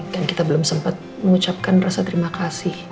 kita belum sempat mengucapkan rasa terima kasih